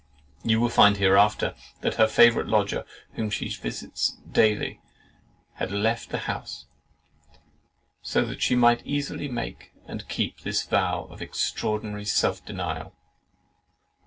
You will find hereafter that her favourite lodger, whom she visits daily, had left the house; so that she might easily make and keep this vow of extraordinary self denial.